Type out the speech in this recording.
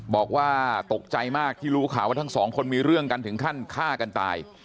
บอกว่าตกใจมากที่รู้ข่าวว่าทั้งสองคนมีเรื่องกันถึงขั้นฆ่ากันตาย